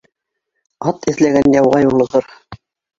Ат эҙләгән яуға юлығыр